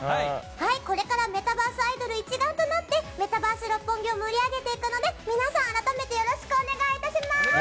これからメタバースアイドル一丸となってメタバース六本木を盛り上げていくので皆さん、改めてよろしくお願いいたします！